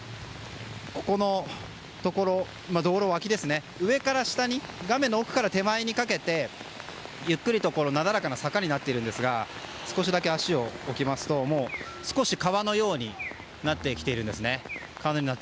ここの道路脇ですが画面奥から手前にかけてゆっくりとなだらかな坂になっているんですが少しだけ足を置きますと少し川のようになってきています。